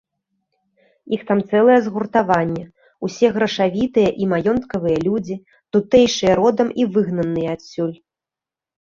Іх там цэлае згуртаванне, усе грашавітыя і маёнткавыя людзі, тутэйшыя родам і выгнаныя адсюль.